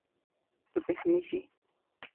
Tu bêhnijî.